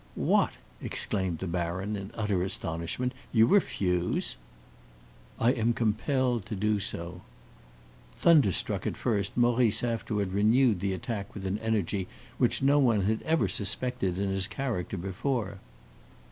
"What!" exclaimed the baron, in utter astonishment; "you refuse?" "I am compelled to do so." Thunderstruck at first, Maurice afterward renewed the attack with an energy which no one had ever suspected in his character before.